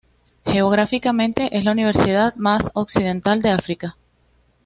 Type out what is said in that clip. Geográficamente es la universidad más occidental de África.